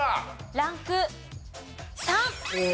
ランク３。